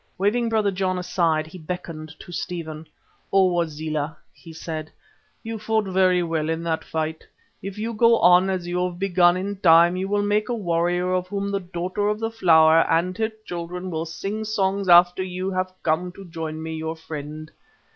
Waving Brother John aside he beckoned to Stephen. "O Wazela!" he said, "you fought very well in that fight; if you go on as you have begun in time you will make a warrior of whom the Daughter of the Flower and her children will sing songs after you have come to join me, your friend.